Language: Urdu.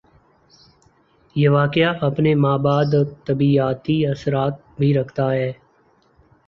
یہ واقعہ اپنے ما بعدالطبیعاتی اثرات بھی رکھتا ہے۔